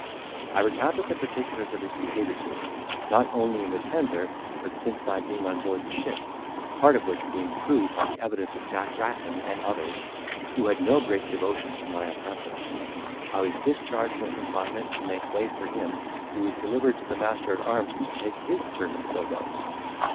I recounted the particulars of his behaviour to me, not only in the tender, but since my being on board the ship, part of which being proved by the evidence of Jack Rattlin and others, who had no great devotion for my oppressor, I was discharged from confinement, to make way for him, who was delivered to the master at arms to take his turn in the bilboes.